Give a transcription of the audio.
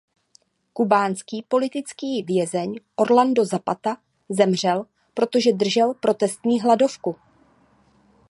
Kubánský politický vězeň Orlando Zapata zemřel, protože držel protestní hladovku.